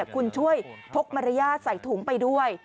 คุณช่วยพกมารยาทใส่ถุงไปด้วย